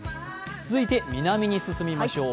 続いて南に進みましょう。